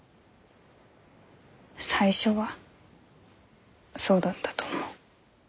最初はそうだったと思う。